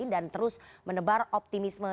dan terus menebar optimisme